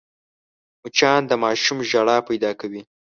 مچان د ماشوم ژړا پیدا کوي